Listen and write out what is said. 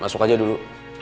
masuk aja dulu